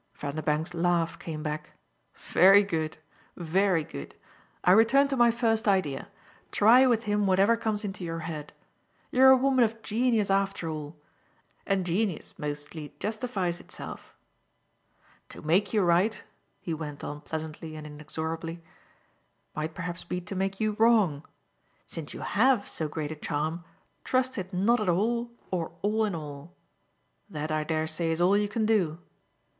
Vanderbank's laugh came back. "Very good very good. I return to my first idea. Try with him whatever comes into your head. You're a woman of genius after all, and genius mostly justifies itself. To make you right," he went on pleasantly and inexorably, "might perhaps be to make you wrong. Since you HAVE so great a charm trust it not at all or all in all. That, I dare say, is all you can do.